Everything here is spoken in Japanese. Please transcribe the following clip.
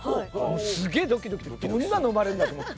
すげえドキドキどんなの生まれるんだと思って。